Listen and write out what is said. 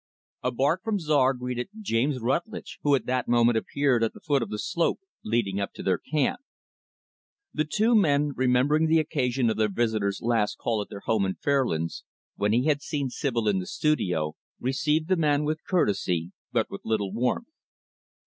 A bark from Czar greeted James Rutlidge who at that moment appeared at the foot of the slope leading up to their camp. The two men remembering the occasion of their visitor's last call at their home in Fairlands, when he had seen Sibyl in the studio received the man with courtesy, but with little warmth.